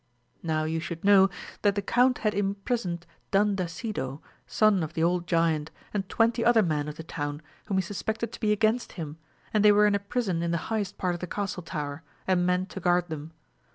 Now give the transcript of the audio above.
Now you should know that the Count had im prisoned Dandasido, son of the old giant, and twenty other men of the town whom he suspected to be against him, and they were in a prison in the highest part of the castle tower, and men to guard them.